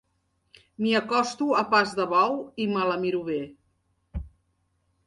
M'hi acosto a pas de bou i me la miro bé.